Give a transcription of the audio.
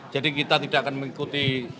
jadi kita tidak akan mengikuti